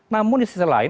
namun di sisi lain